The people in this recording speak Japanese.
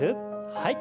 はい。